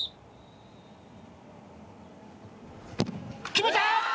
決めた！